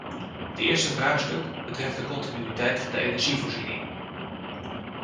Het eerste vraagstuk betreft de continuïteit van de energievoorziening.